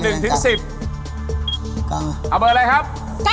เอาเบอร์อะไรครับ